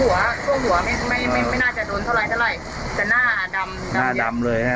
ทั่วหัวไม่ไม่ไม่น่าจะโดนเท่าไรเท่าไรแต่หน้าดำหน้าดำเลยใช่ไหม